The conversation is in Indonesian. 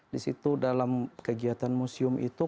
disitu dalam kegiatan museum itu